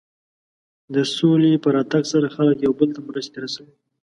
د سولې په راتګ سره خلک یو بل ته مرستې رسوي.